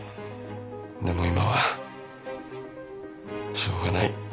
でも今はしょうがない。